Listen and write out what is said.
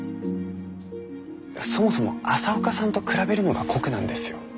そもそも朝岡さんと比べるのが酷なんですよ。